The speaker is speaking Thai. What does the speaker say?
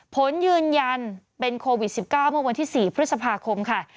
ผลยืนยันเป็นโควิด๑๙เมื่อวันที่๔พฤษภาคมค่ะ